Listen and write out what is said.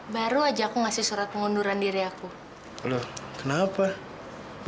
karena aku tidak pernah kenyang